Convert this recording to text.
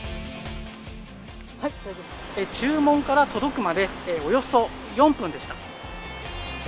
注文から届くまで、およそ４分でした。